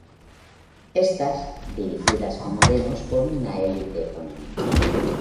Estas, dirigidas como vemos por una élite económica